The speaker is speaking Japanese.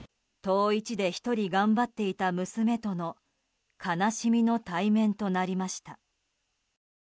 遠い地で１人頑張っていた娘との悲しみの対面となりました。